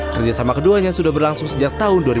kerjasama keduanya sudah berlangsung sejak tahun dua ribu